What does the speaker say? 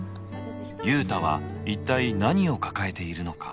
雄太は一体何を抱えているのか。